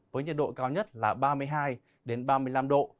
với nhiệt độ cao nhất là ba mươi hai ba mươi năm độ